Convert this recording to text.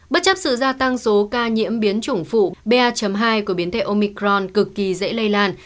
bất chấp sự gia tăng số ca nhiễm biến chủng phụ ba hai của biến thể omicron cực kỳ dễ lây lan